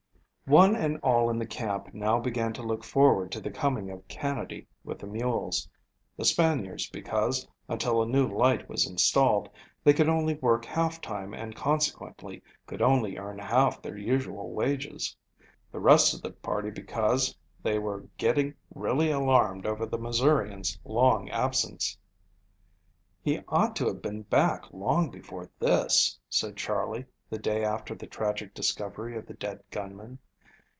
ONE and all in the camp now began to look forward to the coming of Canady with the mules. The Spaniards because, until a new light was installed, they could only work half time and consequently could only earn half their usual wages. The rest of the party because they were getting really alarmed over the Missourian's long absence. "He ought to have been back long before this," said Charley, the day after the tragic discovery of the dead gunmen.